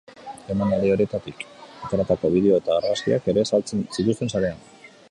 Emanaldi horietatik ateratako bideo eta argazkiak ere saltzen zituzten sarean.